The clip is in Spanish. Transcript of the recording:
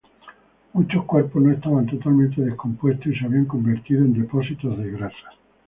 Muchos cuerpos no estaban totalmente descompuestos y se habían convertido en depósitos de grasa.